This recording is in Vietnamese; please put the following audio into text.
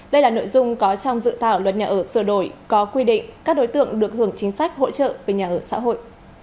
đây là nội dung có trong dự thảo luật nhà ở sửa đổi có quy định các đối tượng được hưởng chính sách hỗ trợ về nhà ở xã hội